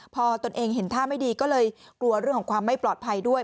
พอตนเองเห็นท่าไม่ดีก็เลยกลัวเรื่องของความไม่ปลอดภัยด้วย